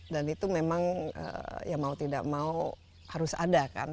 dan itu memang ya mau tidak mau harus ada kan